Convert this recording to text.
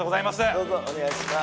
どうぞお願いします